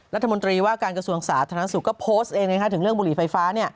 รัฐมนตรีว่าการกระทรวงสาธารณสุขก็โพสต์เองถึงเรื่องบุหรี่ไฟฟ้า